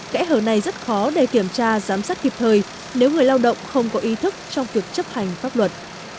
kẽ hở này rất khó để kiểm tra giám sát kịp thời nếu người lao động không có ý thức trong việc chấp hành pháp luật